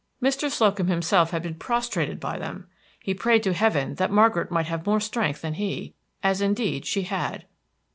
Mr. Slocum himself had been prostrated by them; he prayed to Heaven that Margaret might have more strength than he, as indeed she had.